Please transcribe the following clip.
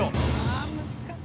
ああ難しい。